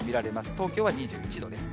東京は２１度です。